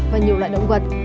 và nhiều loại động vật